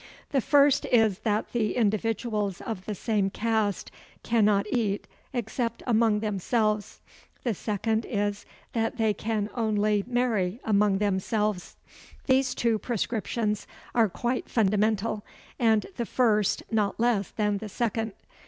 The first is that the individuals of the same caste cannot eat except among themselves. The second is that they can only marry among themselves. These two proscriptions are quite fundamental, and the first not less than the second.